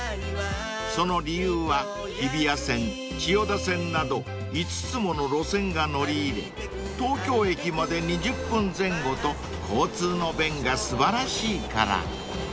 ［その理由は日比谷線千代田線など５つもの路線が乗り入れ東京駅まで２０分前後と交通の便が素晴らしいから］